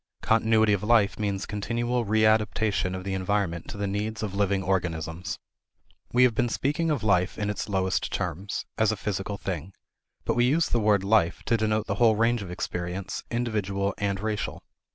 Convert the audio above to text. Continuity of life means continual readaptation of the environment to the needs of living organisms. We have been speaking of life in its lowest terms as a physical thing. But we use the word "Life" to denote the whole range of experience, individual and racial.